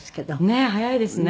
ねえ早いですね！